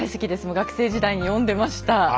もう学生時代に読んでました。